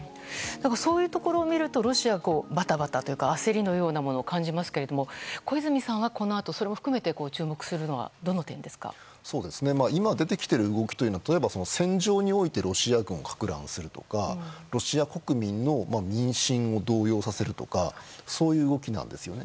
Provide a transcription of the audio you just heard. そういうところを見るとロシアはバタバタというか焦りのようなものを感じますけれども小泉さんがこのあとそれも含めて注目するのは今出てきている動きは例えば戦場においてロシア軍をかく乱するとかロシア国民の民心を動揺させるとかそういう動きなんですよね。